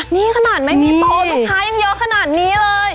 นี่ขนาดไม่มีโตลูกค้ายังเยอะขนาดนี้เลย